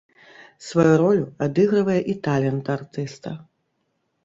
Сваю ролю адыгрывае і талент артыста.